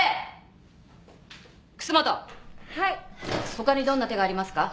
他にどんな手がありますか？